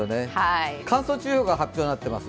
乾燥注意報が発表になっています。